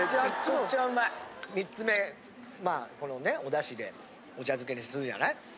３つ目、おだしで、お茶漬けにするじゃない？